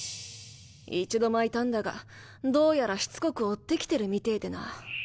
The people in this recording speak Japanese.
一度まいたんだがどうやらしつこく追ってきてるみてぇでな。